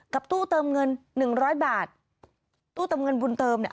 ตู้เติมเงินหนึ่งร้อยบาทตู้เติมเงินบุญเติมเนี่ย